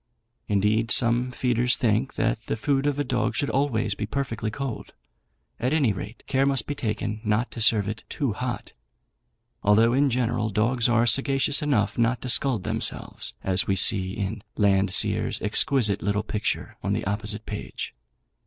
Indeed, some feeders think that the food of a dog should always be perfectly cold. At any rate, care must be taken not to serve it out "too hot," although, in general, dogs are sagacious enough not to scald themselves, as we see in Landseer's exquisite little picture on the opposite page.